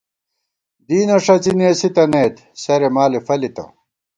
دینہ ݭڅی نېسی تنئیت ، سرے مالے فلِتہ